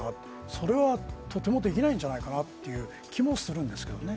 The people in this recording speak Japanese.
それは、とてもできないんじゃないかなという気もするんですけどね。